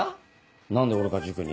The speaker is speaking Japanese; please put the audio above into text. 何で俺が塾に？